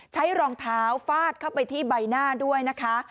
ใช้รองเท้าฟาดเข้าไปที่ใบหน้าด้วยนะคะ